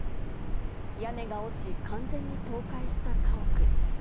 屋根が落ち、完全に倒壊した家屋。